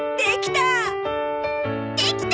できた！